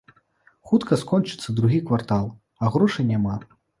Хутка скончыцца другі квартал, а грошай няма.